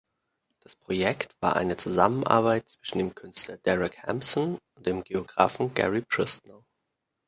Das Projekt war eine Zusammenarbeit zwischen dem Künstler Derek Hampson und dem Geografen Gary Priestnall.